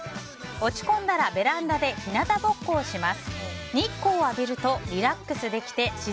落ち込んだらベランダで日向ぼっこをします。